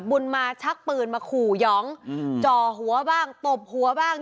บุญมาชักปืนมาขู่หยองจ่อหัวบ้างตบหัวบ้าง